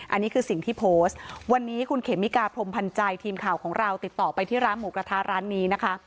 อันนี้คือสิ่งที่โพสต์วันนี้คุณเขมิกาพรมพันธ์ใจทีมข่าวของเราติดต่อไปที่ร้านหมูกระทะร้านนี้นะคะ